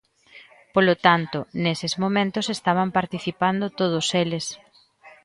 Polo tanto, neses momentos estaban participando todos eles.